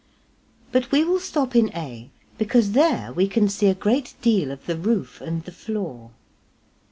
But we will stop in a because there we can see a great deal of the roof and the floor.